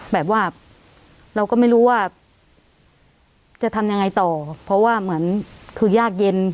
แบบว่าเราก็ไม่รู้ว่าจะทำยังไงต่อเพราะว่าเหมือนคือยากเย็น